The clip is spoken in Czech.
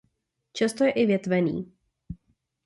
Často je i větvený.